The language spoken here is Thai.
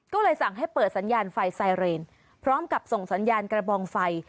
ก็เลยสั่งให้เปิดสัญญาณไฟไซเรนพร้อมกับส่งสัญญาณกระบองไฟ